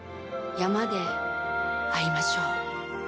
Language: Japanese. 山で会いましょう。